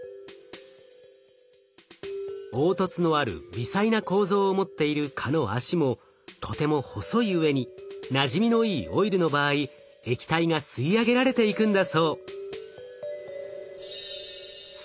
凹凸のある微細な構造を持っている蚊の脚もとても細いうえになじみのいいオイルの場合液体が吸い上げられていくんだそう。